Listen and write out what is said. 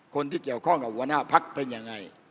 คนที่เกี่ยวข้องกับหัวหน้าพักเป็นยังไง